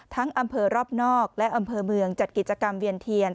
อำเภอรอบนอกและอำเภอเมืองจัดกิจกรรมเวียนเทียน